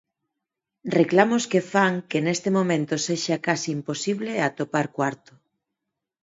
Reclamos que fan que neste momento sexa case imposible atopar cuarto.